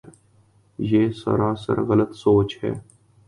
یہ سراسر غلط سوچ ہے۔